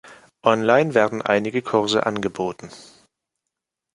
Online werden einige Kurse angeboten.